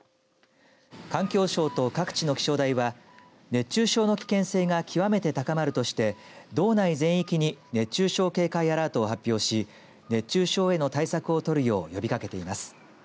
環境省と各地の気象台は熱中症の危険性が極めて高まるとして道内全域に熱中症警戒アラートを発表し熱中症への対策を取るよう呼びかけています。